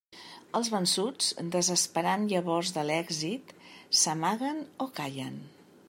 Els vençuts, desesperant llavors de l'èxit, s'amaguen o callen.